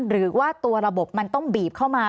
หรือว่าตัวระบบมันต้องบีบเข้ามา